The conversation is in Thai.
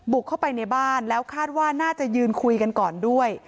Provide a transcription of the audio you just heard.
เข้าไปในบ้านแล้วคาดว่าน่าจะยืนคุยกันก่อนด้วย